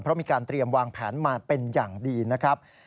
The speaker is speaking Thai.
เพราะมีการเตรียมวางแผนมาเป็นอย่างดีนะครับ